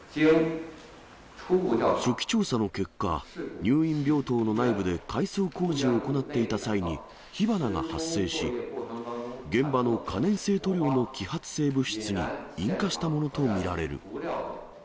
初期調査の結果、入院病棟の内部で改装工事を行っていた際に、火花が発生し、現場の可燃性塗料の揮発性物質に引火したものと見られる。